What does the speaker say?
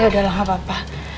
yaudahlah gak apa apa